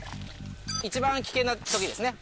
一番危険な時ですね